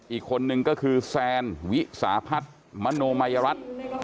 อีกคนนึงก็คือแซนวิสาพัฒน์มโนมัยรัฐ